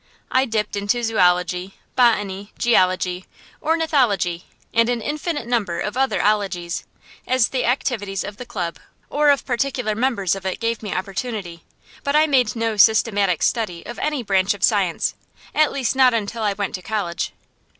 I dipped into zoölogy, botany, geology, ornithology, and an infinite number of other ologies, as the activities of the club or of particular members of it gave me opportunity, but I made no systematic study of any branch of science; at least not until I went to college.